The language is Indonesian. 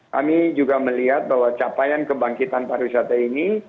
kami juga melihat bahwa capaian kebangkitan pariwisata ini